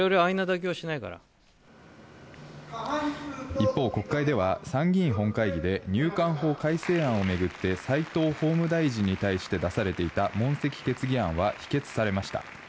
一方、国会では参議院本会議で入管法改正案を巡って齋藤法務大臣に対して出されていた、問責決議案は否決されました。